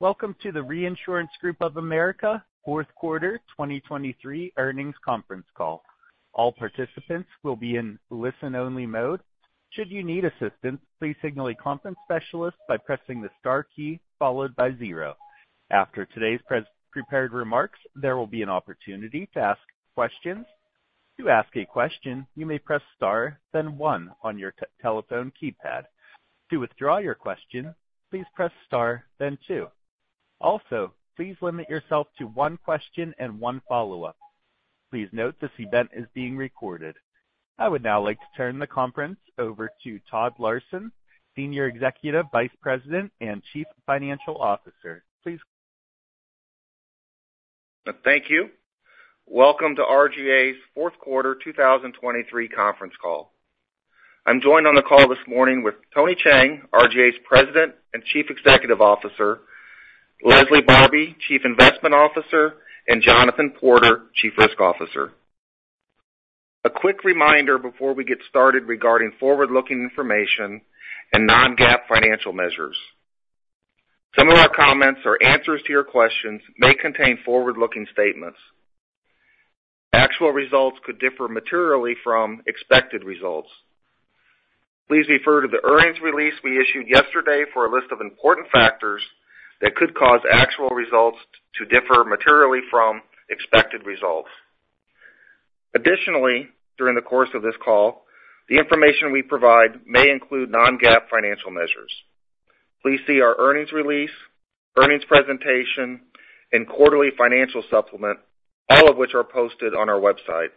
Welcome to the Reinsurance Group of America Fourth Quarter 2023 Earnings Conference Call. All participants will be in listen-only mode. Should you need assistance, please signal a conference specialist by pressing the star key followed by zero. After today's prepared remarks, there will be an opportunity to ask questions. To ask a question, you may press star, then one on your telephone keypad. To withdraw your question, please press star, then two. Also, please limit yourself to one question and one follow-up. Please note, this event is being recorded. I would now like to turn the conference over to Todd Larson, Senior Executive Vice President and Chief Financial Officer. Please. Thank you. Welcome to RGA's fourth quarter 2023 conference call. I'm joined on the call this morning with Tony Cheng, RGA's President and Chief Executive Officer, Leslie Barbi, Chief Investment Officer, and Jonathan Porter, Chief Risk Officer. A quick reminder before we get started regarding forward-looking information and non-GAAP financial measures. Some of our comments or answers to your questions may contain forward-looking statements. Actual results could differ materially from expected results. Please refer to the earnings release we issued yesterday for a list of important factors that could cause actual results to differ materially from expected results. Additionally, during the course of this call, the information we provide may include non-GAAP financial measures. Please see our earnings release, earnings presentation, and quarterly financial supplement, all of which are posted on our website,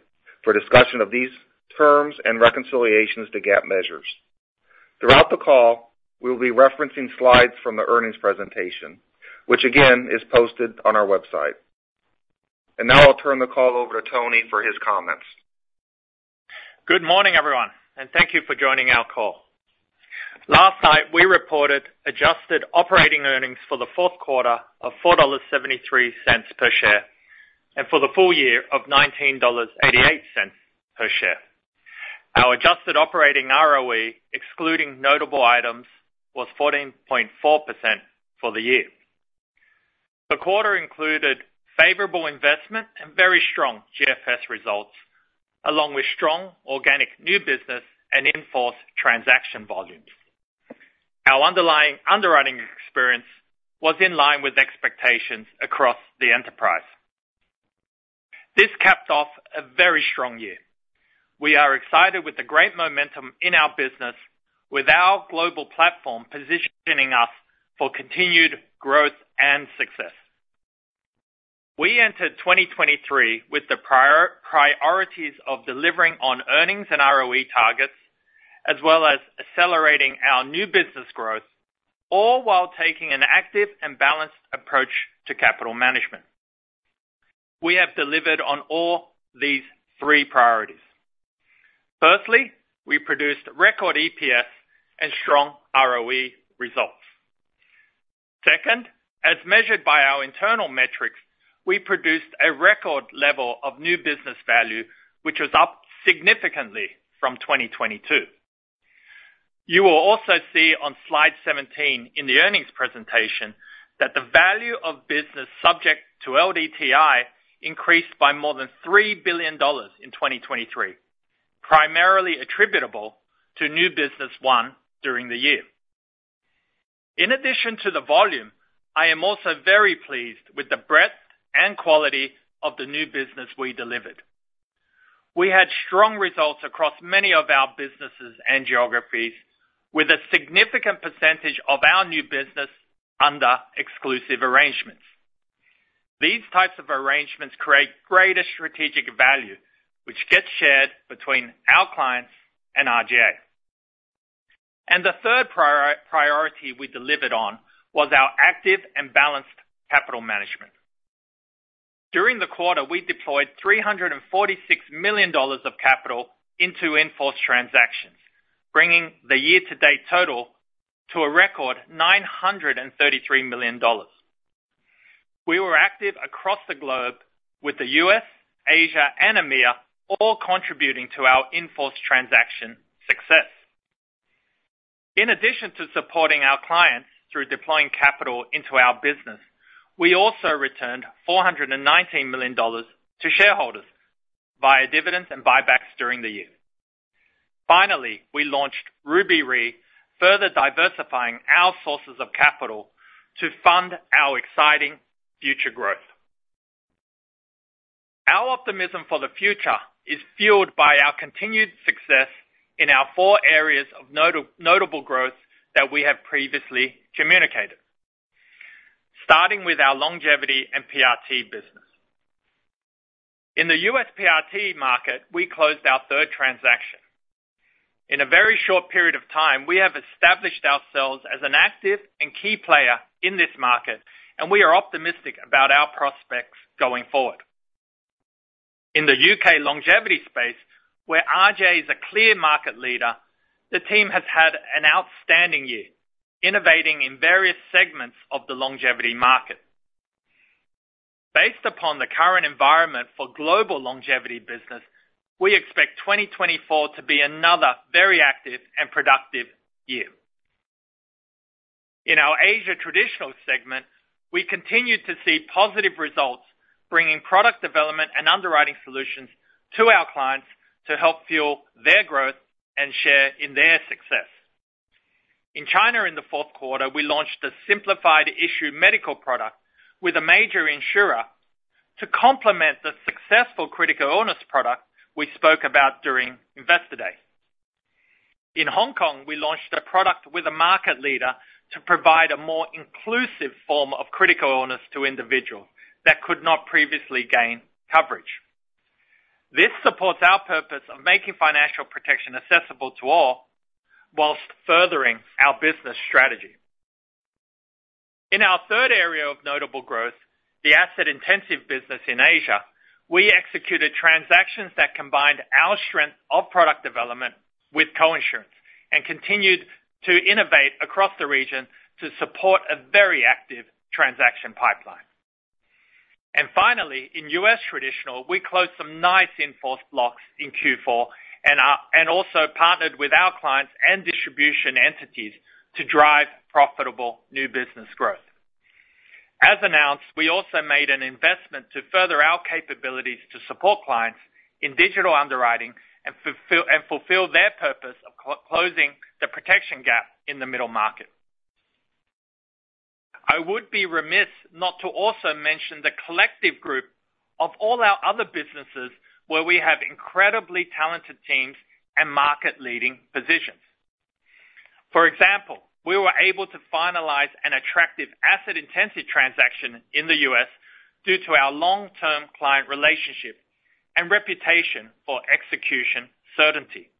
for a discussion of these terms and reconciliations to GAAP measures. Throughout the call, we will be referencing slides from the earnings presentation, which again, is posted on our website. Now I'll turn the call over to Tony for his comments. Good morning, everyone, and thank you for joining our call. Last night, we reported adjusted operating earnings for the fourth quarter of $4.73 per share, and for the full year of $19.88 per share. Our adjusted operating ROE, excluding notable items, was 14.4% for the year. The quarter included favorable investment and very strong GFS results, along with strong organic new business and in-force transaction volumes. Our underlying underwriting experience was in line with expectations across the enterprise. This capped off a very strong year. We are excited with the great momentum in our business, with our global platform positioning us for continued growth and success. We entered 2023 with the priorities of delivering on earnings and ROE targets, as well as accelerating our new business growth, all while taking an active and balanced approach to capital management. We have delivered on all these three priorities. Firstly, we produced record EPS and strong ROE results. Second, as measured by our internal metrics, we produced a record level of new business value, which was up significantly from 2022. You will also see on slide 17 in the earnings presentation, that the value of business subject to LDTI increased by more than $3 billion in 2023, primarily attributable to new business won during the year. In addition to the volume, I am also very pleased with the breadth and quality of the new business we delivered. We had strong results across many of our businesses and geographies, with a significant percentage of our new business under exclusive arrangements. These types of arrangements create greater strategic value, which gets shared between our clients and RGA. The third priority we delivered on was our active and balanced capital management. During the quarter, we deployed $346 million of capital into in-force transactions, bringing the year-to-date total to a record $933 million. We were active across the globe with the U.S., Asia, and EMEA, all contributing to our in-force transaction success. In addition to supporting our clients through deploying capital into our business, we also returned $419 million to shareholders via dividends and buybacks during the year. Finally, we launched Ruby Re, further diversifying our sources of capital to fund our exciting future growth. Our optimism for the future is fueled by our continued success in our four areas of notable growth that we have previously communicated. Starting with our longevity and PRT business. In the U.S. PRT market, we closed our third transaction. In a very short period of time, we have established ourselves as an active and key player in this market, and we are optimistic about our prospects going forward. In the U.K. longevity space, where RGA is a clear market leader, the team has had an outstanding year, innovating in various segments of the longevity market. Based upon the current environment for global longevity business, we expect 2024 to be another very active and productive year. In our Asia Traditional segment, we continued to see positive results, bringing product development and underwriting solutions to our clients to help fuel their growth and share in their success. In China, in the fourth quarter, we launched a simplified issue medical product with a major insurer to complement the successful critical illness product we spoke about during Investor Day. In Hong Kong, we launched a product with a market leader to provide a more inclusive form of critical illness to individuals that could not previously gain coverage. This supports our purpose of making financial protection accessible to all, whilst furthering our business strategy. In our third area of notable growth, the asset-intensive business in Asia, we executed transactions that combined our strength of product development with coinsurance, and continued to innovate across the region to support a very active transaction pipeline. Finally, in U.S. Traditional, we closed some nice in-force blocks in Q4, and also partnered with our clients and distribution entities to drive profitable new business growth. As announced, we also made an investment to further our capabilities to support clients in digital underwriting and fulfill their purpose of closing the protection gap in the middle market. I would be remiss not to also mention the collective group of all our other businesses, where we have incredibly talented teams and market-leading positions. For example, we were able to finalize an attractive asset-intensive transaction in the U.S. due to our long-term client relationship and reputation for execution certainty.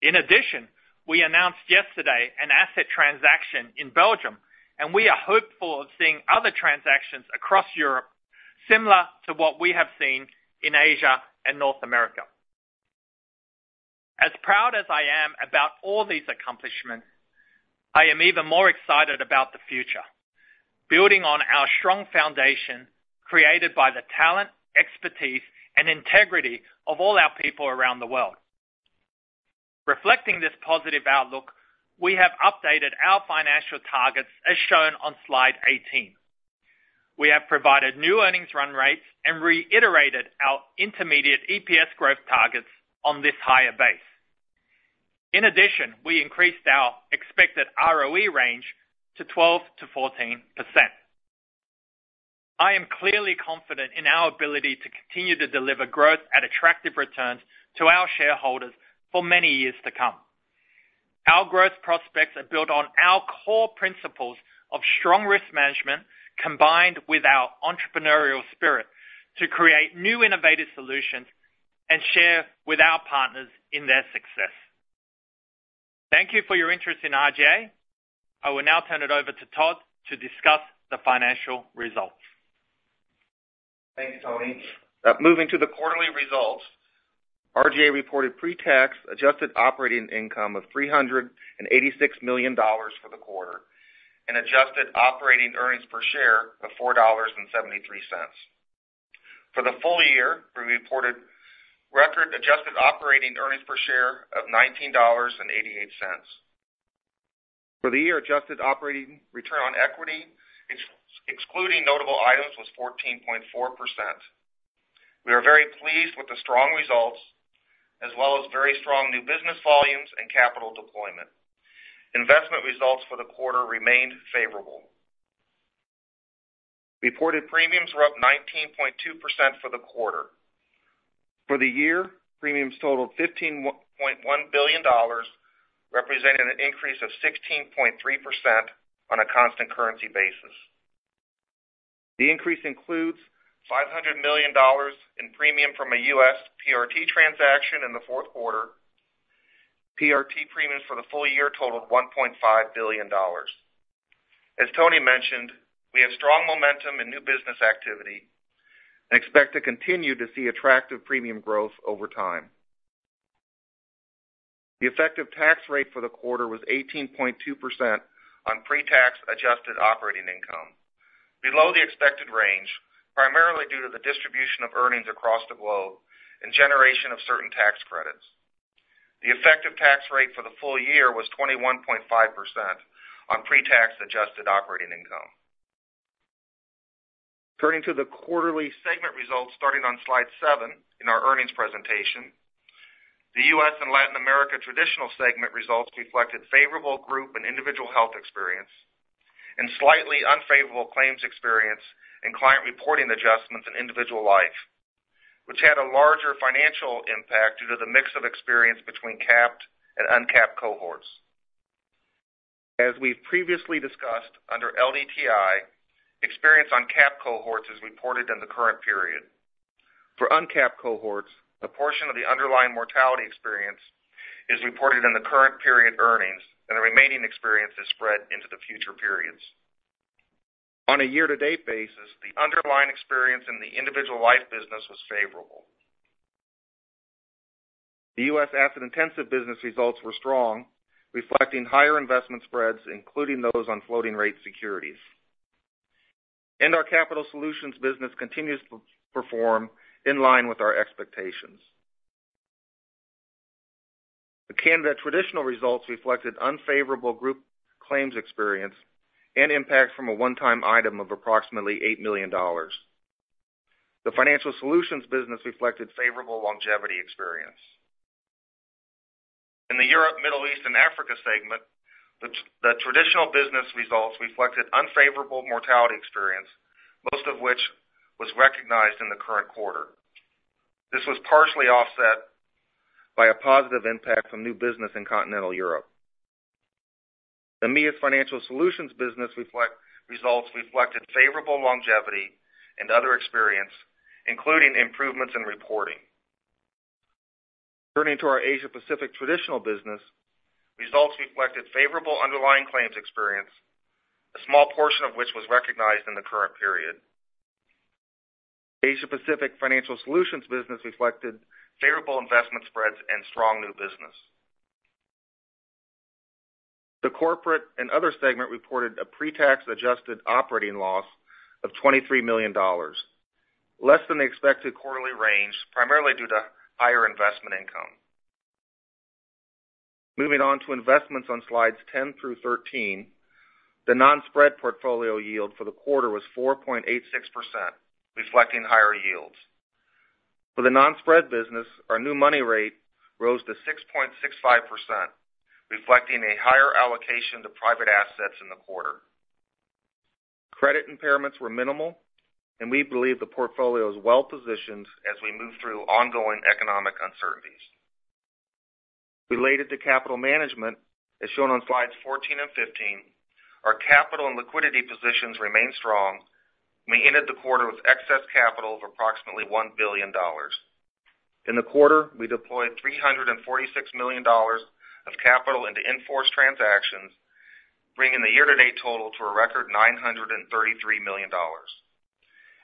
In addition, we announced yesterday an asset transaction in Belgium, and we are hopeful of seeing other transactions across Europe, similar to what we have seen in Asia and North America. As proud as I am about all these accomplishments, I am even more excited about the future, building on our strong foundation, created by the talent, expertise, and integrity of all our people around the world. Reflecting this positive outlook, we have updated our financial targets as shown on slide 18. We have provided new earnings run rates and reiterated our intermediate EPS growth targets on this higher base. In addition, we increased our expected ROE range to 12%-14%. I am clearly confident in our ability to continue to deliver growth at attractive returns to our shareholders for many years to come. Our growth prospects are built on our core principles of strong risk management, combined with our entrepreneurial spirit, to create new innovative solutions and share with our partners in their success. Thank you for your interest in RGA. I will now turn it over to Todd to discuss the financial results. Thank you, Tony. Moving to the quarterly results, RGA reported pre-tax adjusted operating income of $386 million for the quarter, and adjusted operating earnings per share of $4.73. For the full year, we reported record-adjusted operating earnings per share of $19.88. For the year, adjusted operating return on equity, excluding notable items, was 14.4%. We are very pleased with the strong results, as well as very strong new business volumes and capital deployment. Investment results for the quarter remained favorable. Reported premiums were up 19.2% for the quarter. For the year, premiums totaled $15.1 billion, representing an increase of 16.3% on a constant currency basis. The increase includes $500 million in premium from a U.S. PRT transaction in the fourth quarter. PRT premiums for the full year totaled $1.5 billion. As Tony mentioned, we have strong momentum in new business activity and expect to continue to see attractive premium growth over time. The effective tax rate for the quarter was 18.2% on pre-tax adjusted operating income, below the expected range, primarily due to the distribution of earnings across the globe and generation of certain tax credits. The effective tax rate for the full year was 21.5% on pre-tax adjusted operating income. Turning to the quarterly segment results, starting on slide seven in our earnings presentation. The U.S. and Latin America Traditional segment results reflected favorable group and individual health experience, and slightly unfavorable claims experience and client reporting adjustments in individual life, which had a larger financial impact due to the mix of experience between Capped and Uncapped cohorts. As we've previously discussed, under LDTI, experience on Capped cohorts is reported in the current period. For Uncapped cohorts, a portion of the underlying mortality experience is reported in the current period earnings, and the remaining experience is spread into the future periods. On a year-to-date basis, the underlying experience in the individual life business was favorable.... The U.S. Asset-Intensive business results were strong, reflecting higher investment spreads, including those on floating-rate securities. And our Capital Solutions business continues to perform in line with our expectations. The Canada Traditional results reflected unfavorable group claims experience and impact from a one-time item of approximately $8 million. The Financial Solutions business reflected favorable longevity experience. In the Europe, Middle East, and Africa segment, the traditional business results reflected unfavorable mortality experience, most of which was recognized in the current quarter. This was partially offset by a positive impact from new business in continental Europe. The EMEA Financial Solutions business results reflected favorable longevity and other experience, including improvements in reporting. Turning to our Asia Pacific Traditional business, results reflected favorable underlying claims experience, a small portion of which was recognized in the current period. Asia Pacific Financial Solutions business reflected favorable investment spreads and strong new business. The corporate and other segment reported a pre-tax adjusted operating loss of $23 million, less than the expected quarterly range, primarily due to higher investment income. Moving on to investments on slides 10 through 13, the non-spread portfolio yield for the quarter was 4.86%, reflecting higher yields. For the non-spread business, our new money rate rose to 6.65%, reflecting a higher allocation to private assets in the quarter. Credit impairments were minimal, and we believe the portfolio is well-positioned as we move through ongoing economic uncertainties. Related to capital management, as shown on slides 14 and 15, our capital and liquidity positions remain strong. We ended the quarter with excess capital of approximately $1 billion. In the quarter, we deployed $346 million of capital into in-force transactions, bringing the year-to-date total to a record $933 million.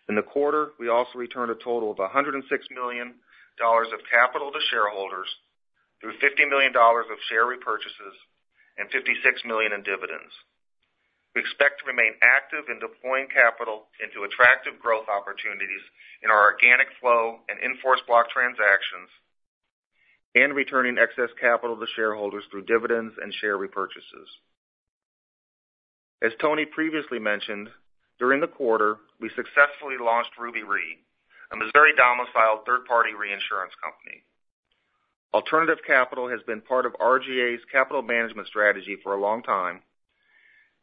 In the quarter, we also returned a total of $106 million of capital to shareholders through $50 million of share repurchases and $56 million in dividends. We expect to remain active in deploying capital into attractive growth opportunities in our organic flow and in-force block transactions, and returning excess capital to shareholders through dividends and share repurchases. As Tony previously mentioned, during the quarter, we successfully launched Ruby Re, a Missouri-domiciled third-party reinsurance company. Alternative capital has been part of RGA's capital management strategy for a long time,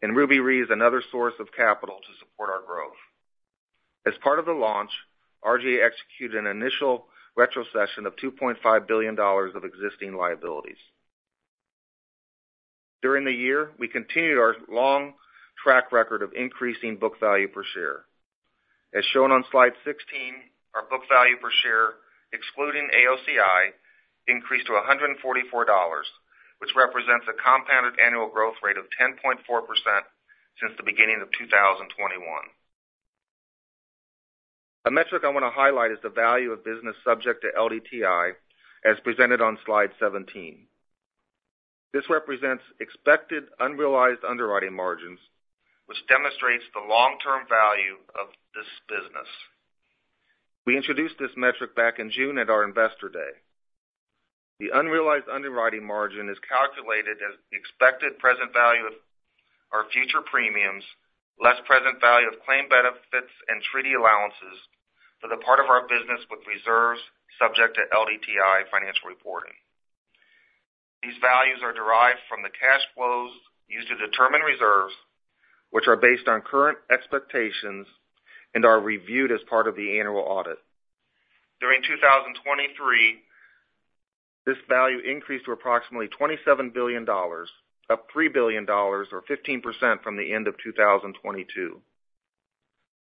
and Ruby Re is another source of capital to support our growth. As part of the launch, RGA executed an initial retrocession of $2.5 billion of existing liabilities. During the year, we continued our long track record of increasing book value per share. As shown on slide 16, our book value per share, excluding AOCI, increased to $144, which represents a compounded annual growth rate of 10.4% since the beginning of 2021. A metric I want to highlight is the value of business subject to LDTI, as presented on slide 17. This represents expected unrealized underwriting margins, which demonstrates the long-term value of this business. We introduced this metric back in June at our Investor Day. The unrealized underwriting margin is calculated as the expected present value of our future premiums, less present value of claimed benefits and treaty allowances for the part of our business with reserves subject to LDTI financial reporting. These values are derived from the cash flows used to determine reserves, which are based on current expectations and are reviewed as part of the annual audit. During 2023, this value increased to approximately $27 billion, up $3 billion or 15% from the end of 2022.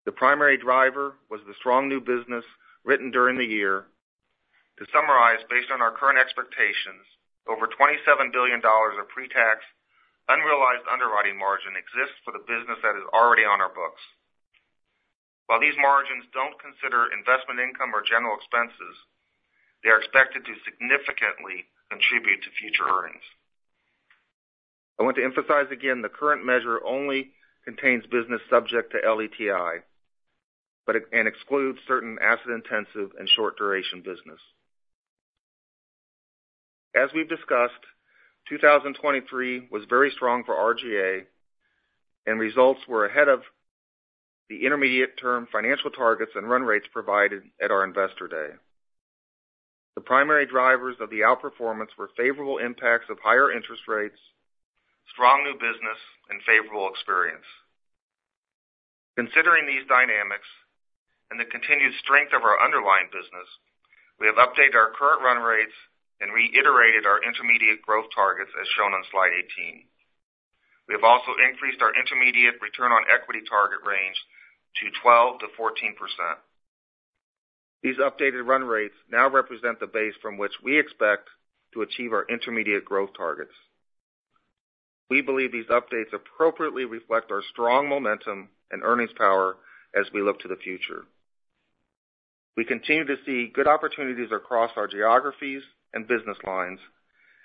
The primary driver was the strong new business written during the year. To summarize, based on our current expectations, over $27 billion of pre-tax, unrealized underwriting margin exists for the business that is already on our books. While these margins don't consider investment income or general expenses, they are expected to significantly contribute to future earnings. I want to emphasize again, the current measure only contains business subject to LDTI, but it and excludes certain asset-intensive and short-duration business. As we've discussed, 2023 was very strong for RGA, and results were ahead of the intermediate-term financial targets and run rates provided at our Investor Day. The primary drivers of the outperformance were favorable impacts of higher interest rates, strong new business and favorable experience. Considering these dynamics and the continued strength of our underlying business, we have updated our current run rates and reiterated our intermediate growth targets, as shown on slide 18. We have also increased our intermediate return on equity target range to 12%-14%. These updated run rates now represent the base from which we expect to achieve our intermediate growth targets... We believe these updates appropriately reflect our strong momentum and earnings power as we look to the future. We continue to see good opportunities across our geographies and business lines,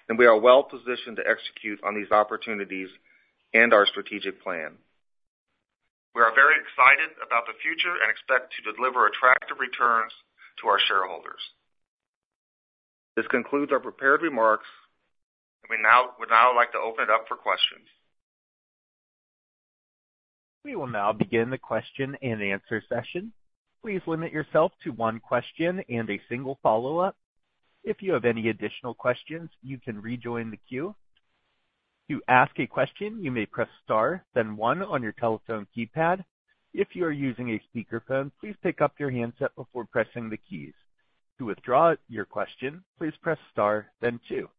and we are well positioned to execute on these opportunities and our strategic plan. We are very excited about the future and expect to deliver attractive returns to our shareholders. This concludes our prepared remarks, and we would now like to open it up for questions. We will now begin the question-and-answer session. Please limit yourself to one question and a single follow-up. If you have any additional questions, you can rejoin the queue. To ask a question, you may press star, then one on your telephone keypad. If you are using a speakerphone, please pick up your handset before pressing the keys. To withdraw your question, please press star then two.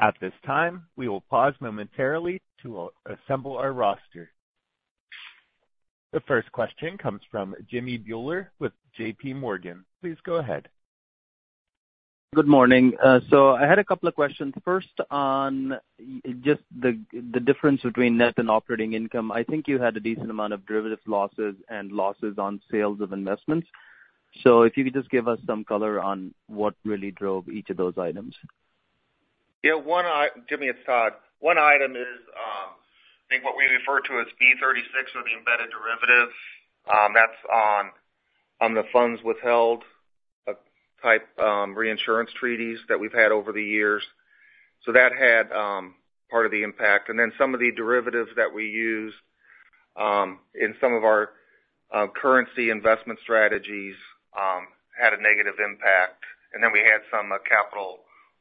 At this time, we will pause momentarily to assemble our roster. The first question comes from Jimmy Bhullar with JPMorgan. Please go ahead. Good morning. So I had a couple of questions. First, on just the, the difference between net and operating income. I think you had a decent amount of derivative losses and losses on sales of investments. So if you could just give us some color on what really drove each of those items. Yeah, Jimmy, it's Todd. One item is, I think what we refer to as B36 or the embedded derivatives. That's on the funds withheld type reinsurance treaties that we've had over the years. So that had part of the impact. And then some of the derivatives that we use in some of our currency investment strategies had a negative impact, and then we had some capital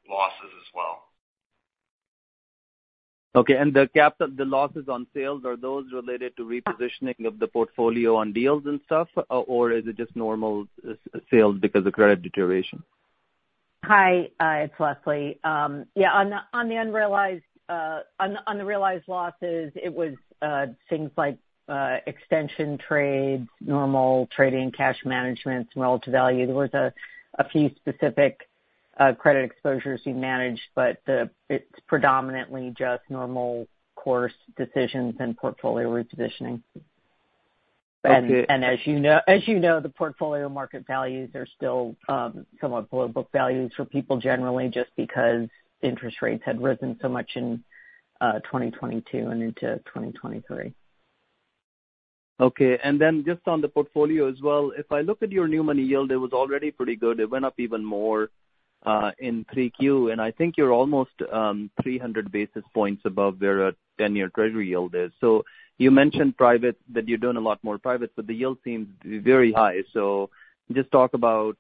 losses as well. Okay, and the capital, the losses on sales, are those related to repositioning of the portfolio on deals and stuff, or is it just normal sales because of credit deterioration? Hi, it's Leslie. Yeah, on the unrealized, on the realized losses, it was things like extension trades, normal trading, cash management, small to value. There was a few specific credit exposures we managed, but it's predominantly just normal course decisions and portfolio repositioning. Thank you. As you know, the portfolio market values are still somewhat below book values for people generally, just because interest rates had risen so much in 2022 and into 2023. Okay. And then just on the portfolio as well, if I look at your new money yield, it was already pretty good. It went up even more in 3Q, and I think you're almost 300 basis points above where a 10-year treasury yield is. So you mentioned private, that you're doing a lot more private, but the yield seems very high. So just talk about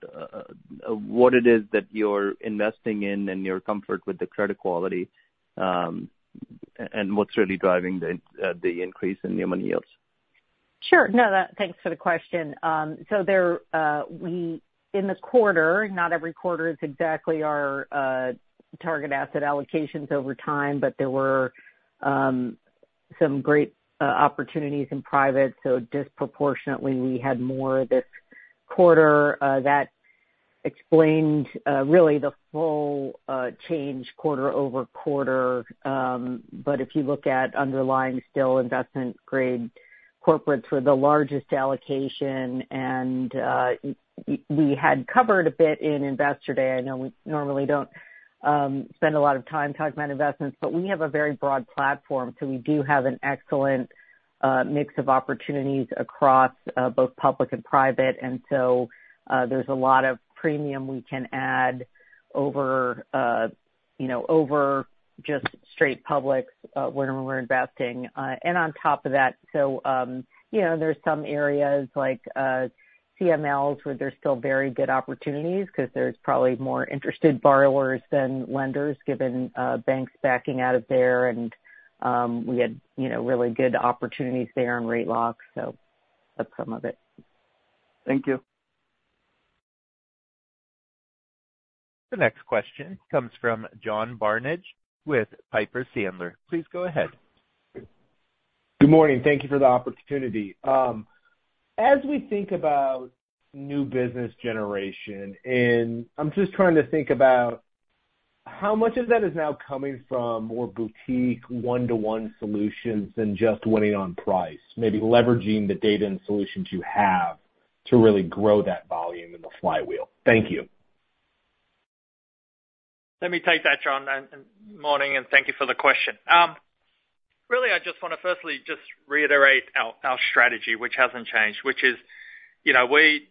what it is that you're investing in and your comfort with the credit quality, and what's really driving the increase in new money yields. Sure. No, that. Thanks for the question. So, in the quarter, not every quarter is exactly our target asset allocations over time, but there were some great opportunities in private, so disproportionately, we had more this quarter. That explained really the full change quarter-over-quarter. But if you look at underlying, still investment grade corporates were the largest allocation, and we had covered a bit in Investor Day. I know we normally don't spend a lot of time talking about investments, but we have a very broad platform, so we do have an excellent mix of opportunities across both public and private. And so, there's a lot of premium we can add over, you know, over just straight public when we're investing. And on top of that, so, you know, there's some areas like, CMLs, where there's still very good opportunities, 'cause there's probably more interested borrowers than lenders, given, banks backing out of there. And, we had, you know, really good opportunities there on rate locks, so that's some of it. Thank you. The next question comes from John Barnidge with Piper Sandler. Please go ahead. Good morning. Thank you for the opportunity. As we think about new business generation, and I'm just trying to think about how much of that is now coming from more boutique one-to-one solutions than just winning on price, maybe leveraging the data and solutions you have to really grow that volume in the flywheel. Thank you. Let me take that, John, and morning, and thank you for the question. Really, I just want to firstly just reiterate our strategy, which hasn't changed, which is, you know, we,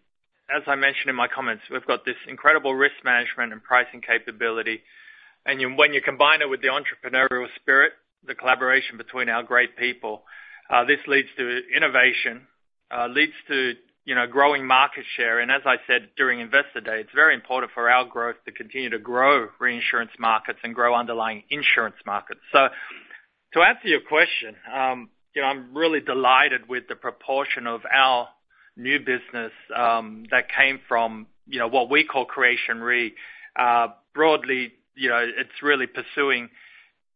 as I mentioned in my comments, we've got this incredible risk management and pricing capability. And when you combine it with the entrepreneurial spirit, the collaboration between our great people, this leads to innovation, leads to, you know, growing market share. And as I said during Investor Day, it's very important for our growth to continue to grow reinsurance markets and grow underlying insurance markets. So to answer your question, you know, I'm really delighted with the proportion of our new business that came from, you know, what we call Creation Re. Broadly, you know, it's really pursuing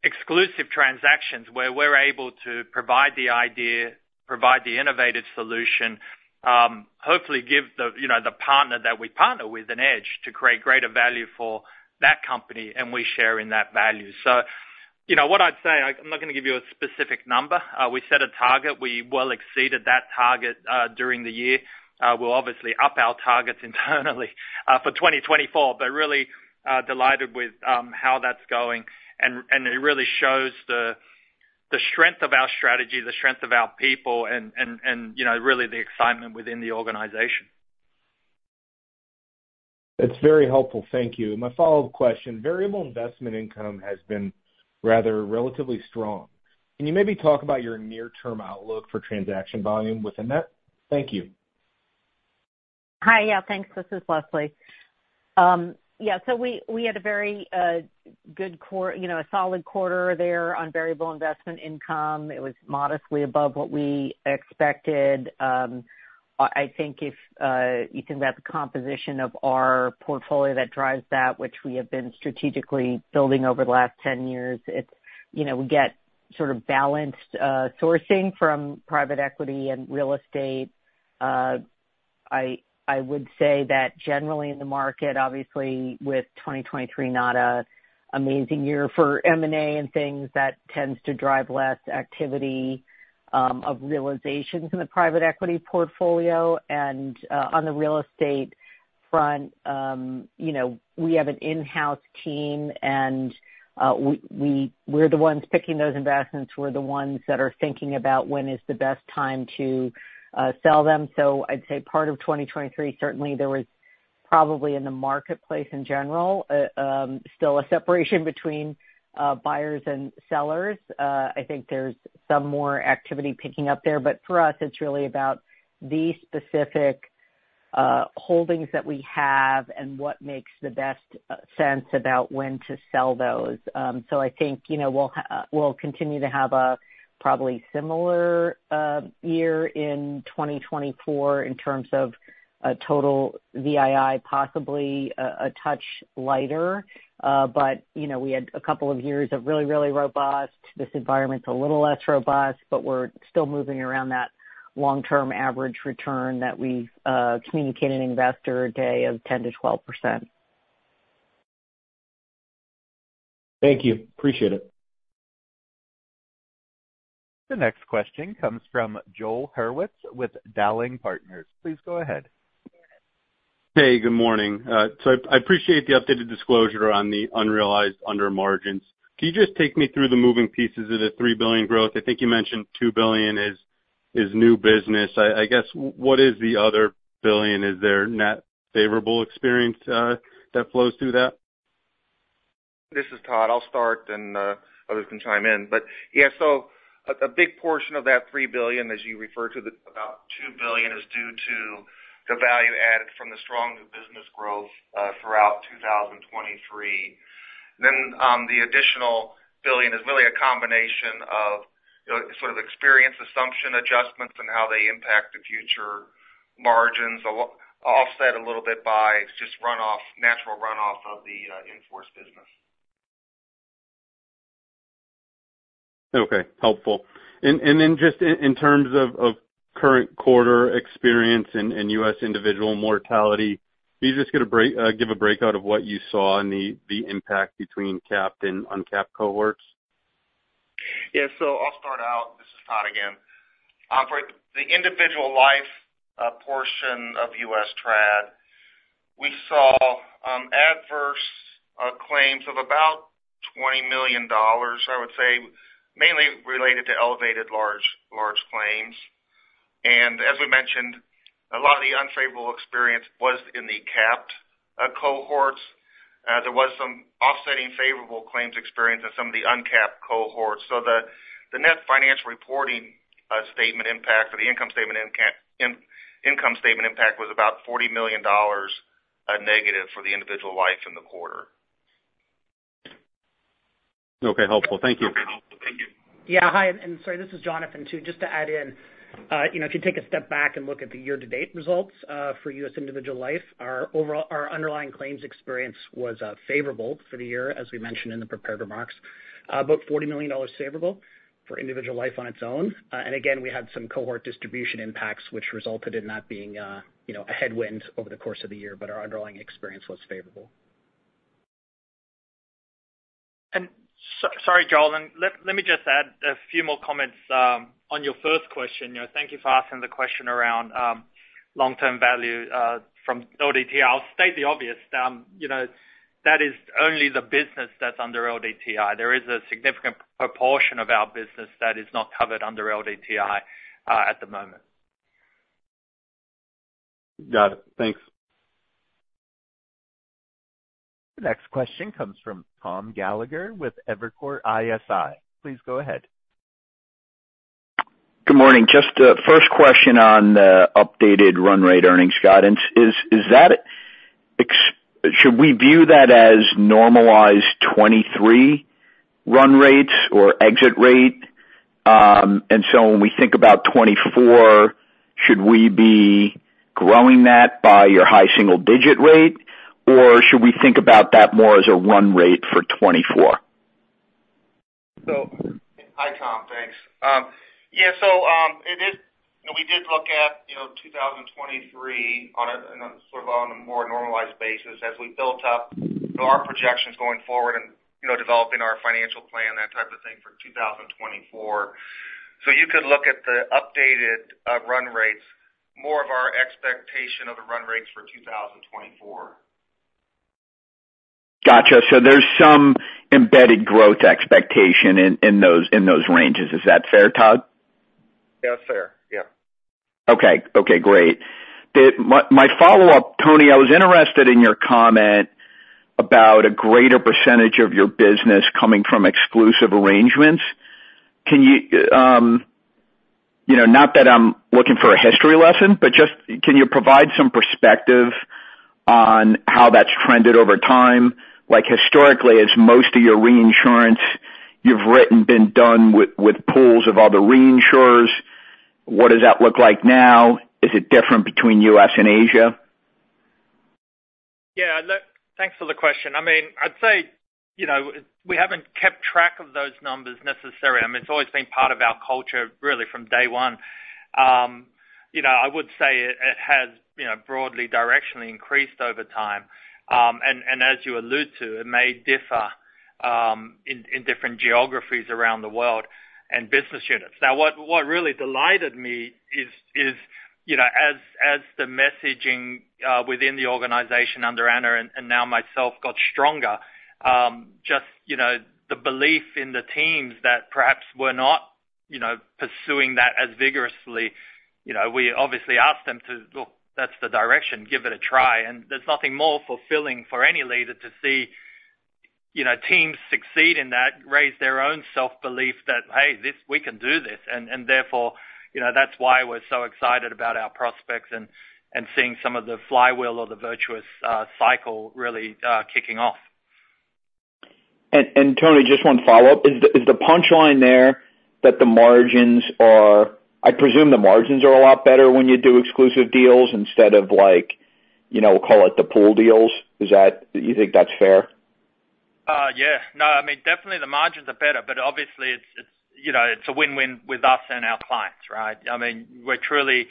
exclusive transactions, where we're able to provide the idea, provide the innovative solution... Hopefully give the, you know, the partner that we partner with an edge to create greater value for that company, and we share in that value. So, you know, what I'd say, I'm not going to give you a specific number. We set a target. We well exceeded that target during the year. We'll obviously up our targets internally for 2024, but really delighted with how that's going. And it really shows the strength of our strategy, the strength of our people, and you know, really the excitement within the organization. It's very helpful. Thank you. My follow-up question: Variable Investment Income has been rather relatively strong. Can you maybe talk about your near-term outlook for transaction volume within that? Thank you. Hi. Yeah, thanks. This is Leslie. Yeah, so we had a very good quarter there on Variable Investment Income. It was modestly above what we expected. I think if you think about the composition of our portfolio that drives that, which we have been strategically building over the last 10 years, it's, you know, we get sort of balanced sourcing from private equity and real estate. I would say that generally in the market, obviously, with 2023, not an amazing year for M&A and things, that tends to drive less activity of realizations in the private equity portfolio. And on the real estate front, you know, we have an in-house team, and we-- we're the ones picking those investments. We're the ones that are thinking about when is the best time to sell them. So I'd say part of 2023, certainly there was probably in the marketplace in general still a separation between buyers and sellers. I think there's some more activity picking up there, but for us, it's really about the specific holdings that we have and what makes the best sense about when to sell those. So I think, you know, we'll continue to have a probably similar year in 2024 in terms of a total VII, possibly a touch lighter. But, you know, we had a couple of years of really, really robust. This environment's a little less robust, but we're still moving around that long-term average return that we've communicated in Investor Day of 10%-12%. Thank you. Appreciate it. The next question comes from Joel Hurwitz with Dowling Partners. Please go ahead. Hey, good morning. So I appreciate the updated disclosure on the unrealized under margins. Can you just take me through the moving pieces of the $3 billion growth? I think you mentioned $2 billion is new business. I guess, what is the other billion? Is there net favorable experience that flows through that? This is Todd. I'll start, and others can chime in. But yeah, so a big portion of that $3 billion, as you refer to, the about $2 billion, is due to the value added from the strong new business growth throughout 2023. Then, the additional $1 billion is really a combination of, you know, sort of experience assumption adjustments and how they impact the future margins, a little offset a little bit by just runoff, natural runoff of the in-force business. Okay, helpful. Then just in terms of current quarter experience and U.S. individual mortality, can you just give a breakout of what you saw and the impact between Capped and Uncapped cohorts? Yeah, so I'll start out. This is Todd again. For the individual life portion of U.S. Trad, we saw adverse claims of about $20 million, I would say, mainly related to elevated large, large claims. And as we mentioned, a lot of the unfavorable experience was in the Capped cohorts. There was some offsetting favorable claims experience in some of the Uncapped cohorts. So the net financial reporting statement impact, or the income statement impact, was about $40 million negative for the individual life in the quarter. Okay, helpful. Thank you. Yeah. Hi, and sorry, this is Jonathan, too. Just to add in, you know, if you take a step back and look at the year-to-date results for U.S. individual life, our overall, our underlying claims experience was favorable for the year, as we mentioned in the prepared remarks. About $40 million favorable for individual life on its own. And again, we had some cohort distribution impacts, which resulted in that being, you know, a headwind over the course of the year, but our underlying experience was favorable. Sorry, Joel, and let me just add a few more comments on your first question. You know, thank you for asking the question around long-term value from LDTI. I'll state the obvious. You know, that is only the business that's under LDTI. There is a significant proportion of our business that is not covered under LDTI at the moment. Got it. Thanks. The next question comes from Tom Gallagher with Evercore ISI. Please go ahead. Good morning. Just a first question on the updated run rate earnings guidance. Should we view that as normalized 2023 run rates or exit rate? And so when we think about 2024, should we be growing that by your high single-digit rate, or should we think about that more as a run rate for 2024?... So, hi, Tom. Thanks. Yeah, so, it is, you know, we did look at, you know, 2023 on a, sort of, on a more normalized basis as we built up our projections going forward and, you know, developing our financial plan, that type of thing for 2024. So you could look at the updated run rates, more of our expectation of the run rates for 2024. Gotcha. So there's some embedded growth expectation in, in those, in those ranges. Is that fair, Todd? That's fair, yeah. Okay. Okay, great. My follow-up, Tony, I was interested in your comment about a greater percentage of your business coming from exclusive arrangements. Can you, you know, not that I'm looking for a history lesson, but just can you provide some perspective on how that's trended over time? Like, historically, has most of your reinsurance you've written been done with pools of other reinsurers? What does that look like now? Is it different between U.S. and Asia? Yeah, look, thanks for the question. I mean, I'd say, you know, we haven't kept track of those numbers necessarily. I mean, it's always been part of our culture, really, from day one. You know, I would say it, it has, you know, broadly directionally increased over time. And, and as you allude to, it may differ, in, in different geographies around the world and business units. Now, what, what really delighted me is, is, you know, as, as the messaging within the organization under Anna and, and now myself got stronger, just, you know, the belief in the teams that perhaps were not, you know, pursuing that as vigorously. You know, we obviously asked them to... Look, that's the direction, give it a try, and there's nothing more fulfilling for any leader to see, you know, teams succeed in that, raise their own self-belief that, "Hey, this- we can do this." And, and therefore, you know, that's why we're so excited about our prospects and, and seeing some of the flywheel or the virtuous cycle really kicking off. Tony, just one follow-up. Is the punchline there that the margins are, I presume the margins are a lot better when you do exclusive deals instead of like, you know, we'll call it the pool deals. Is that, you think that's fair? Yeah. No, I mean, definitely the margins are better, but obviously, it's you know, it's a win-win with us and our clients, right? I mean, we're truly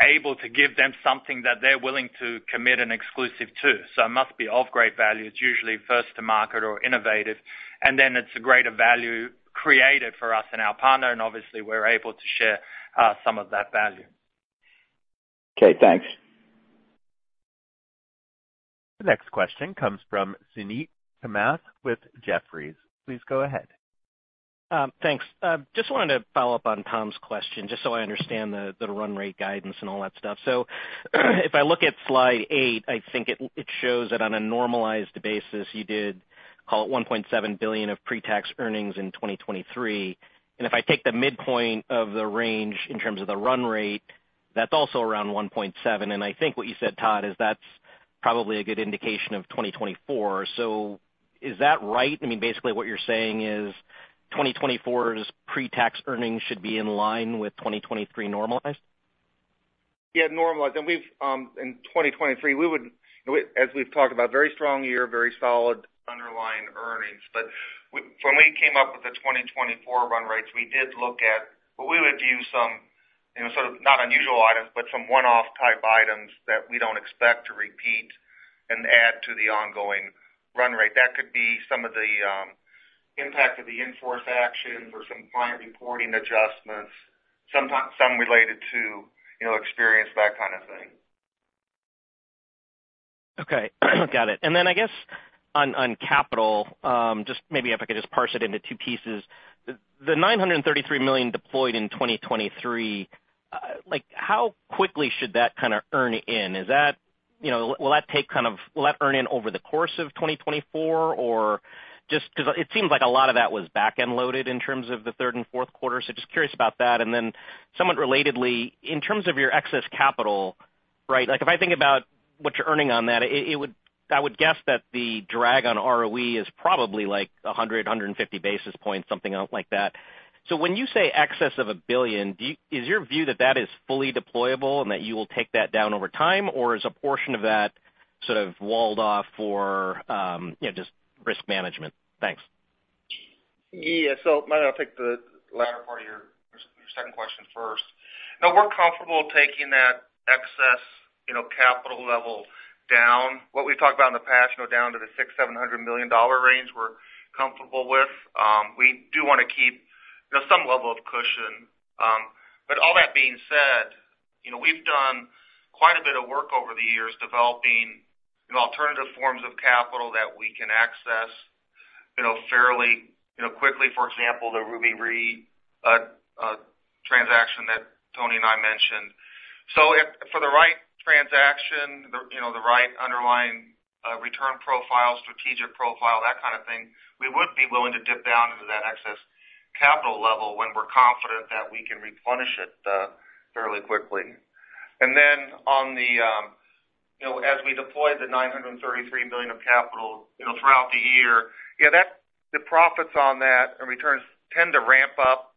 able to give them something that they're willing to commit an exclusive to, so it must be of great value. It's usually first to market or innovative, and then it's a greater value created for us and our partner, and obviously, we're able to share some of that value. Okay, thanks. The next question comes from Suneet Kamath with Jefferies. Please go ahead. Thanks. Just wanted to follow up on Tom's question, just so I understand the run rate guidance and all that stuff. So if I look at slide eight, I think it shows that on a normalized basis, you did call it $1.7 billion of pre-tax earnings in 2023. And if I take the midpoint of the range in terms of the run rate, that's also around 1.7, and I think what you said, Todd, is that's probably a good indication of 2024. So is that right? I mean, basically what you're saying is 2024's pre-tax earnings should be in line with 2023 normalized? Yeah, normalized, and we've in 2023, we would, as we've talked about, very strong year, very solid underlying earnings. But when we came up with the 2024 run rates, we did look at what we would view some, you know, sort of not unusual items, but some one-off type items that we don't expect to repeat and add to the ongoing run rate. That could be some of the impact of the in-force action or some client reporting adjustments, sometimes some related to, you know, experience, that kind of thing. Okay. Got it. And then I guess on, on capital, just maybe if I could just parse it into two pieces. The $933 million deployed in 2023, like, how quickly should that kind of earn in? Is that... You know, will that take kind of- will that earn in over the course of 2024, or just-- because it seems like a lot of that was back-end loaded in terms of the third and fourth quarter. So just curious about that, and then somewhat relatedly, in terms of your excess capital, right? Like, if I think about what you're earning on that, it would- I would guess that the drag on ROE is probably like 100-150 basis points, something out like that. So when you say excess of $1 billion, is your view that that is fully deployable and that you will take that down over time, or is a portion of that sort of walled off for, you know, just risk management? Thanks. Yeah, so I'll take the latter part of your, your second question first. No, we're comfortable taking that excess, you know, capital level down. What we've talked about in the past, you know, down to the $600 million-$700 million range, we're comfortable with. We do want to keep, you know, some level of cushion. But all that being said, you know, we've done quite a bit of work over the years, developing, you know, alternative forms of capital that we can access, you know, fairly, you know, quickly, for example, the Ruby Re transaction that Tony and I mentioned. So if for the right transaction, the, you know, the right underlying return profile, strategic profile, that kind of thing, we would be willing to dip down into that excess capital level when we're confident that we can replenish it fairly quickly. And then on the, you know, as we deployed the $933 million of capital, you know, throughout the year, yeah, that's the profits on that and returns tend to ramp up......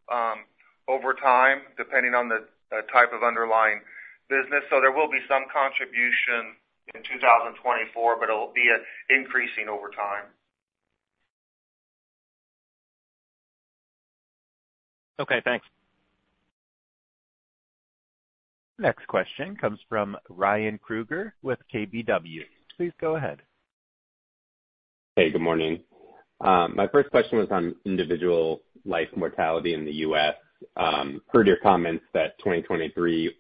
over time, depending on the type of underlying business. So there will be some contribution in 2024, but it'll be increasing over time. Okay, thanks. Next question comes from Ryan Krueger with KBW. Please go ahead. Hey, good morning. My first question was on individual life mortality in the U.S. Heard your comments that 2023,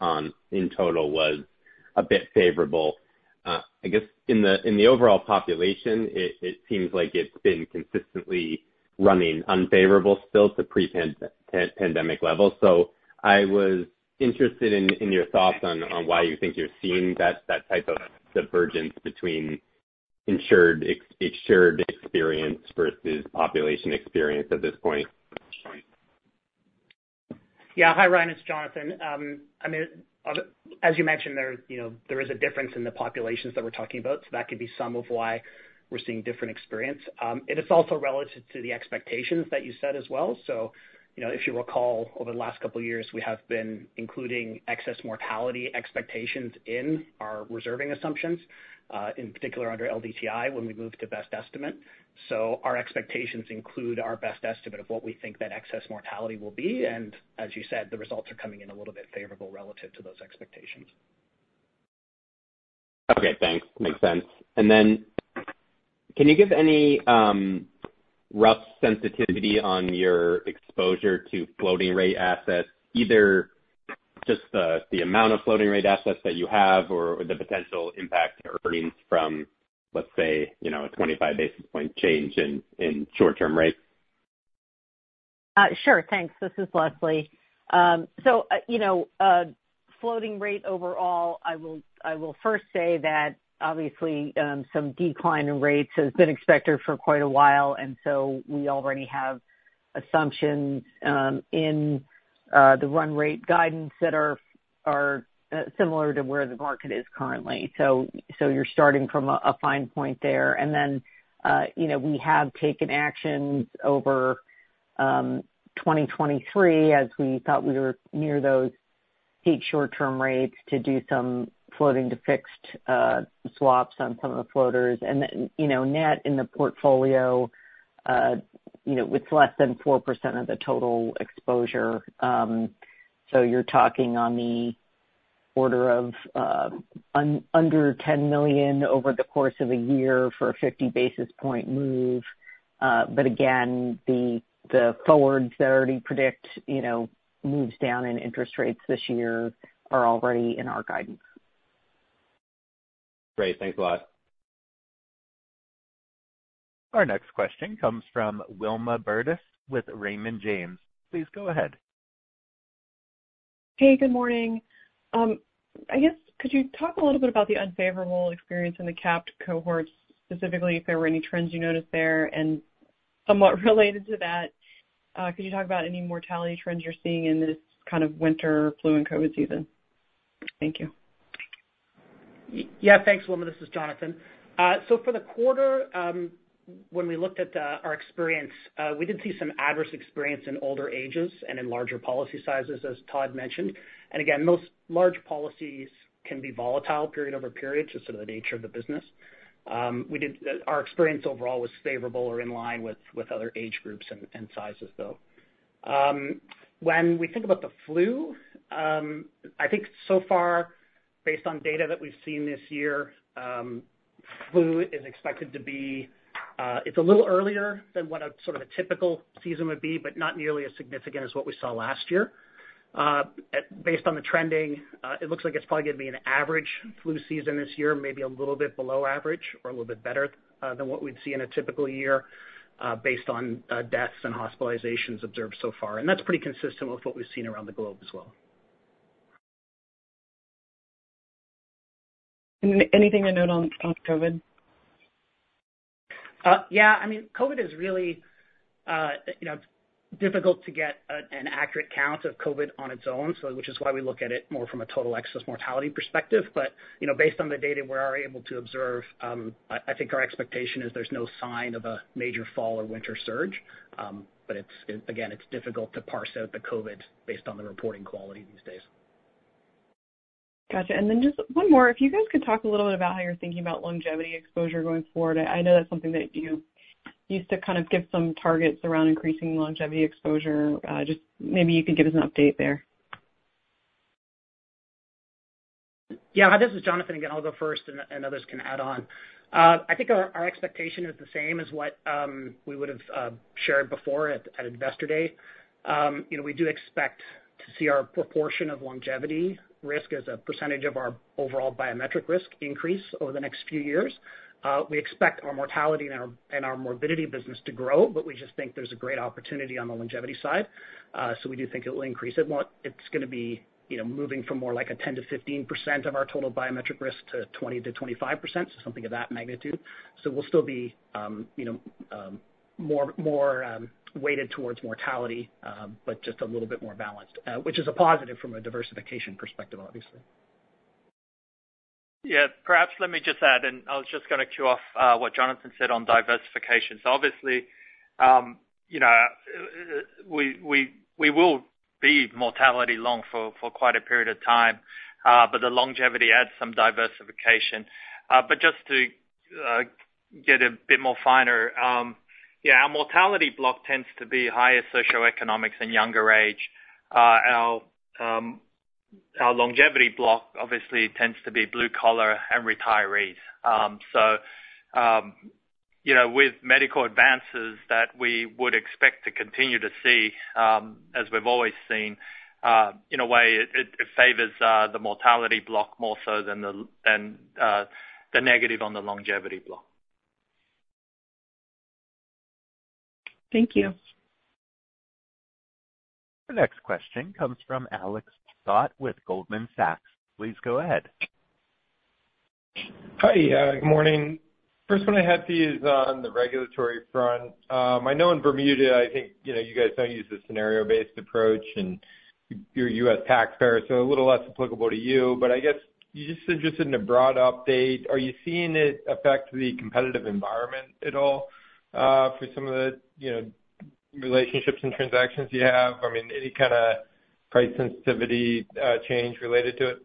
in total, was a bit favorable. I guess in the overall population, it seems like it's been consistently running unfavorable still to pre-pandemic levels. So I was interested in your thoughts on why you think you're seeing that type of divergence between insured experience versus population experience at this point? Yeah. Hi, Ryan, it's Jonathan. I mean, as you mentioned, there, you know, there is a difference in the populations that we're talking about, so that could be some of why we're seeing different experience. And it's also relative to the expectations that you set as well. So, you know, if you recall, over the last couple of years, we have been including excess mortality expectations in our reserving assumptions, in particular under LDTI, when we moved to best estimate. So our expectations include our best estimate of what we think that excess mortality will be, and as you said, the results are coming in a little bit favorable relative to those expectations. Okay, thanks. Makes sense. And then can you give any, rough sensitivity on your exposure to floating rate assets, either just the amount of floating rate assets that you have or the potential impact to earnings from, let's say, you know, a 25 basis point change in short-term rates? Sure. Thanks. This is Leslie. So, you know, floating rate overall, I will first say that obviously, some decline in rates has been expected for quite a while, and so we already have assumptions in the run rate guidance that are similar to where the market is currently. So, you're starting from a fine point there. And then, you know, we have taken actions over 2023 as we thought we were near those peak short-term rates to do some floating to fixed swaps on some of the floaters. And then, you know, net in the portfolio, you know, it's less than 4% of the total exposure. So you're talking on the order of under $10 million over the course of a year for a 50 basis point move. But again, the forwards that already predict, you know, moves down in interest rates this year are already in our guidance. Great. Thanks a lot. Our next question comes from Wilma Burdis with Raymond James. Please go ahead. Hey, good morning. I guess could you talk a little bit about the unfavorable experience in the Capped cohorts, specifically if there were any trends you noticed there? And somewhat related to that, could you talk about any mortality trends you're seeing in this kind of winter flu and COVID season? Thank you. Yeah, thanks, Wilma. This is Jonathan. So for the quarter, when we looked at our experience, we did see some adverse experience in older ages and in larger policy sizes, as Todd mentioned. And again, most large policies can be volatile period over period, just sort of the nature of the business. Our experience overall was favorable or in line with other age groups and sizes though. When we think about the flu, I think so far, based on data that we've seen this year, flu is expected to be, it's a little earlier than what a sort of a typical season would be, but not nearly as significant as what we saw last year. Based on the trending, it looks like it's probably going to be an average flu season this year, maybe a little bit below average or a little bit better than what we'd see in a typical year, based on deaths and hospitalizations observed so far. And that's pretty consistent with what we've seen around the globe as well. Anything to note on COVID? Yeah. I mean, COVID is really, you know, difficult to get an accurate count of COVID on its own, so which is why we look at it more from a total excess mortality perspective. But, you know, based on the data we are able to observe, I think our expectation is there's no sign of a major fall or winter surge. But it's, again, it's difficult to parse out the COVID based on the reporting quality these days. Gotcha. And then just one more. If you guys could talk a little bit about how you're thinking about longevity exposure going forward. I know that's something that you used to kind of give some targets around increasing longevity exposure. Just maybe you could give us an update there. Yeah, this is Jonathan again. I'll go first and others can add on. I think our expectation is the same as what we would've shared before at Investor Day. You know, we do expect to see our proportion of longevity risk as a percentage of our overall biometric risk increase over the next few years. We expect our mortality and our morbidity business to grow, but we just think there's a great opportunity on the longevity side. So we do think it will increase. It won't. It's gonna be, you know, moving from more like 10%-15% of our total biometric risk to 20%-25%, so something of that magnitude. So we'll still be, you know, more weighted towards mortality, but just a little bit more balanced, which is a positive from a diversification perspective, obviously.... Yeah, perhaps let me just add, and I was just going to key off what Jonathan said on diversification. So obviously, you know, we will be mortality long for quite a period of time, but the longevity adds some diversification. But just to get a bit more finer, yeah, our mortality block tends to be higher socioeconomics and younger age. Our longevity block, obviously, tends to be blue collar and retirees. So, you know, with medical advances that we would expect to continue to see, as we've always seen, in a way, it favors the mortality block more so than the negative on the longevity block. Thank you. The next question comes from Alex Scott with Goldman Sachs. Please go ahead. Hi, good morning. First one I had for you is on the regulatory front. I know in Bermuda, I think, you know, you guys don't use the scenario-based approach and your U.S. taxpayers are a little less applicable to you, but I guess you're just interested in a broad update. Are you seeing it affect the competitive environment at all, for some of the, you know, relationships and transactions you have? I mean, any kind of price sensitivity, change related to it?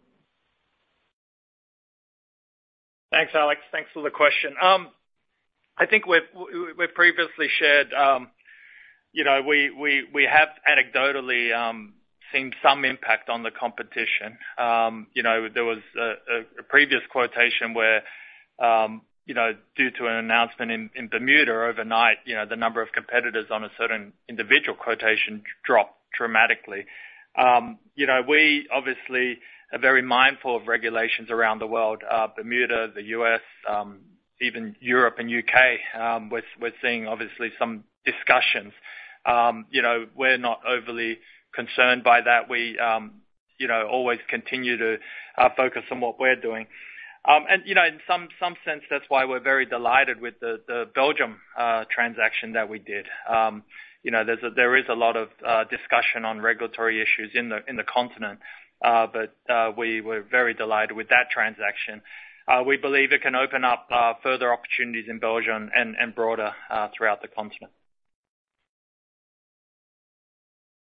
Thanks, Alex. Thanks for the question. I think we've previously shared, you know, we have anecdotally seen some impact on the competition. You know, there was a previous quotation where, you know, due to an announcement in Bermuda overnight, you know, the number of competitors on a certain individual quotation dropped dramatically. You know, we obviously are very mindful of regulations around the world, Bermuda, the U.S., even Europe and U.K., we're seeing obviously some discussions. You know, we're not overly concerned by that. We, you know, always continue to focus on what we're doing. And, you know, in some sense, that's why we're very delighted with the Belgium transaction that we did. You know, there is a lot of discussion on regulatory issues in the continent, but we were very delighted with that transaction. We believe it can open up further opportunities in Belgium and broader throughout the continent.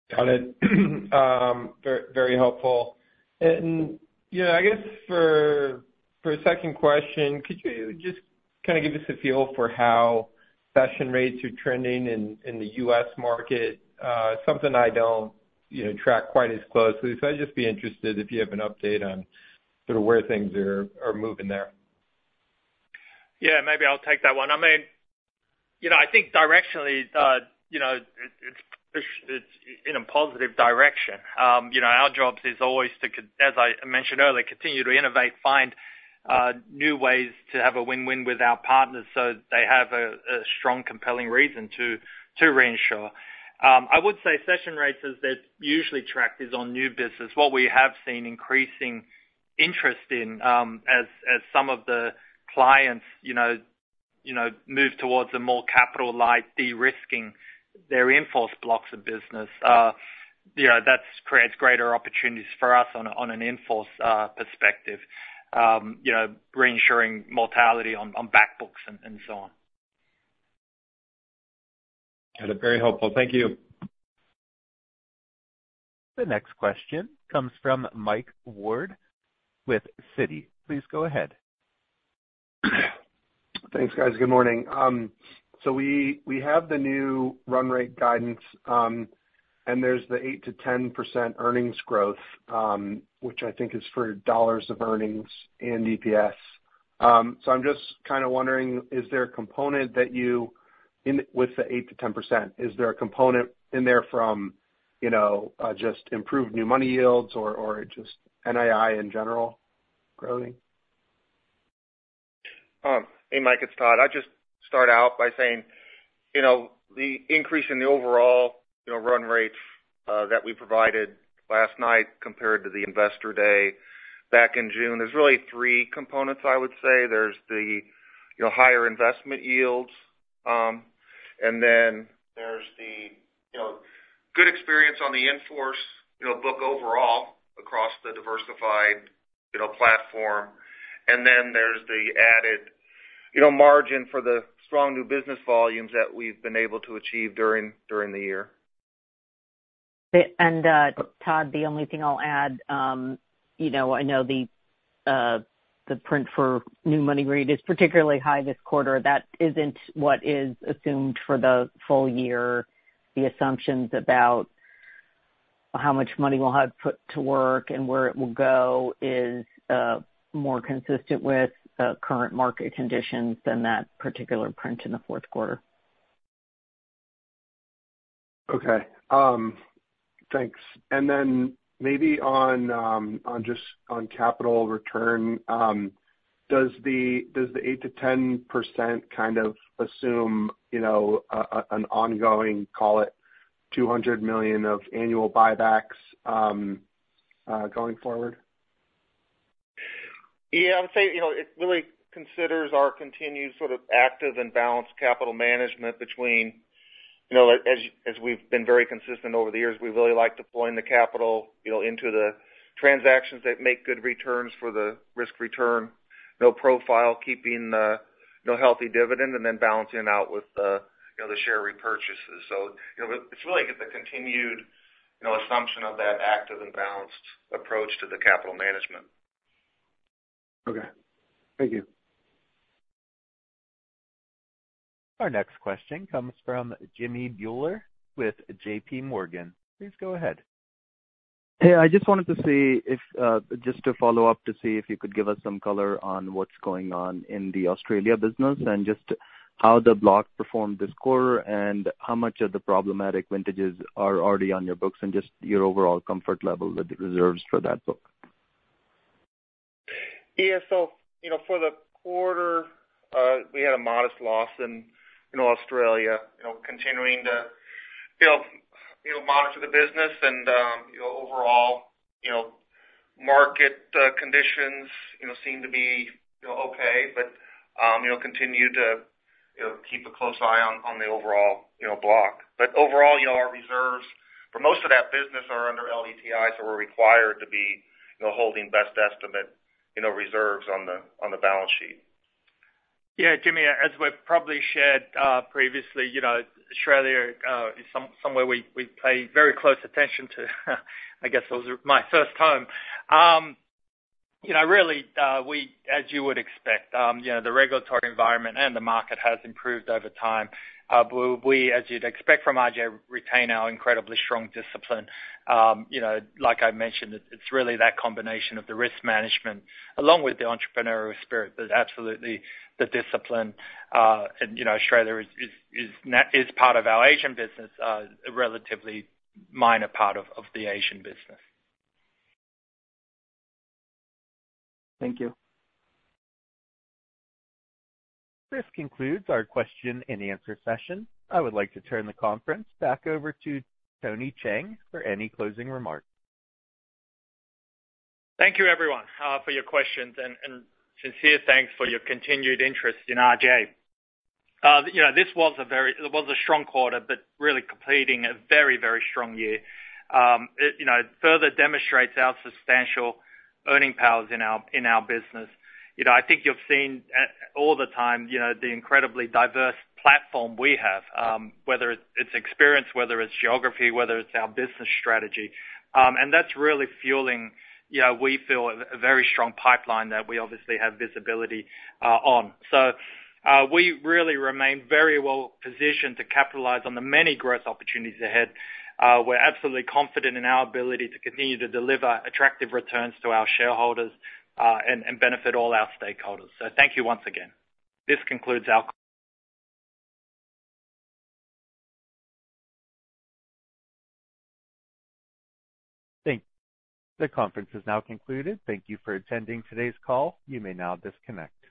Got it. Very helpful. You know, I guess for a second question, could you just kind of give us a feel for how cession rates are trending in the U.S. market? Something I don't, you know, track quite as closely, so I'd just be interested if you have an update on sort of where things are moving there. Yeah, maybe I'll take that one. I mean, you know, I think directionally, you know, it's in a positive direction. You know, our jobs is always to—as I mentioned earlier, continue to innovate, find new ways to have a win-win with our partners, so they have a strong, compelling reason to reinsure. I would say cession rates, as they're usually tracked, is on new business. What we have seen increasing interest in, as some of the clients, you know, move towards a more capital-light, de-risking their in-force blocks of business, you know, that's creates greater opportunities for us on an in-force perspective, you know, reinsuring mortality on back books and so on. Got it. Very helpful. Thank you. The next question comes from Mike Ward with Citi. Please go ahead. Thanks, guys. Good morning. So we have the new run rate guidance, and there's the 8%-10% earnings growth, which I think is for dollars of earnings and EPS. So I'm just kind of wondering, is there a component that you in with the 8%-10%, is there a component in there from, you know, just improved new money yields or just NII in general growing? Hey, Mike, it's Todd. I'd just start out by saying, you know, the increase in the overall, you know, run rates, that we provided last night compared to the Investor Day back in June, there's really three components I would say. There's the, you know, higher investment yields, and then there's the, you know, good experience on the in-force, you know, book overall across the diversified, you know, platform. And then there's the added, you know, margin for the strong new business volumes that we've been able to achieve during the year. And, Todd, the only thing I'll add, you know, I know the, the print for new money rate is particularly high this quarter. That isn't what is assumed for the full year. The assumptions about how much money we'll have put to work and where it will go is more consistent with current market conditions than that particular print in the fourth quarter. Okay. Thanks. And then maybe on just on capital return, does the 8%-10% kind of assume, you know, an ongoing, call it, $200 million of annual buybacks going forward? Yeah, I would say, you know, it really considers our continued sort of active and balanced capital management between-... You know, as we've been very consistent over the years, we really like deploying the capital, you know, into the transactions that make good returns for the risk-return profile, keeping the healthy dividend, and then balancing it out with the, you know, the share repurchases. So, you know, it's really the continued assumption of that active and balanced approach to the capital management. Okay, thank you. Our next question comes from Jimmy Bhullar with JPMorgan. Please go ahead. Hey, I just wanted to see if, just to follow up, to see if you could give us some color on what's going on in the Australia business, and just how the block performed this quarter, and how much of the problematic vintages are already on your books, and just your overall comfort level with the reserves for that book. Yeah, so, you know, for the quarter, we had a modest loss in, in Australia, you know, continuing to, you know, monitor the business, and, you know, overall, you know, market conditions, you know, seem to be, you know, okay. But, you know, continue to, you know, keep a close eye on, on the overall, you know, block. But overall, you know, our reserves for most of that business are under LDTI, so we're required to be, you know, holding best estimate, you know, reserves on the, on the balance sheet. Yeah, Jimmy, as we've probably shared, previously, you know, Australia is somewhere we pay very close attention to. I guess it was my first home. You know, really, we, as you would expect, you know, the regulatory environment and the market has improved over time. But we, as you'd expect from RGA, retain our incredibly strong discipline. You know, like I mentioned, it's really that combination of the risk management along with the entrepreneurial spirit, that absolutely the discipline, and, you know, Australia is part of our Asian business, a relatively minor part of the Asian business. Thank you. This concludes our question and answer session. I would like to turn the conference back over to Tony Cheng for any closing remarks. Thank you everyone, for your questions, and, and sincere thanks for your continued interest in RGA. You know, this was a very-- it was a strong quarter, but really completing a very, very strong year. It, you know, further demonstrates our substantial earning powers in our, in our business. You know, I think you've seen at, all the time, you know, the incredibly diverse platform we have, whether it's, it's experience, whether it's geography, whether it's our business strategy. And that's really fueling, you know, we feel a, a very strong pipeline that we obviously have visibility, on. So, we really remain very well positioned to capitalize on the many growth opportunities ahead. We're absolutely confident in our ability to continue to deliver attractive returns to our shareholders, and, and benefit all our stakeholders. So thank you once again. This concludes our- The conference is now concluded. Thank you for attending today's call. You may now disconnect.